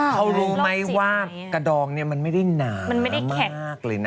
เขารู้ไหมว่ากระดองมันไม่ได้หนามากเลยนะ